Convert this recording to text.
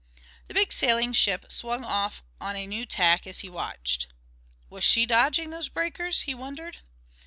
The big sailing ship swung off on a new tack as he watched. Was she dodging those breakers? he wondered.